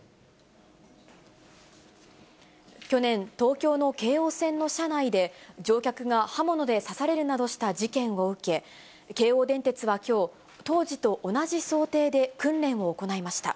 去年、東京の京王線の車内で、乗客が刃物で刺されるなどした事件を受け、京王電鉄はきょう、当時と同じ想定で訓練を行いました。